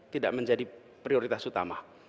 tidak menjadi prioritas utama